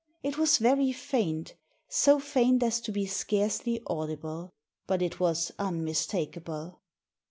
It was very faint, so faint as to be scarcely audible. But it was unmistakable.